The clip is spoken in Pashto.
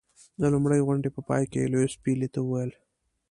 د لومړۍ غونډې په پای کې یې لیویس پیلي ته وویل.